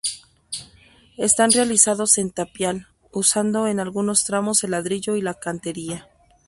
Están realizados en tapial, usando en algunos tramos el ladrillo y la cantería.